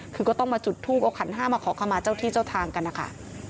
คือก็ต้องมาจุดทูปเอาขันห้ามาขอขมาเจ้าที่เจ้าทางกันนะคะ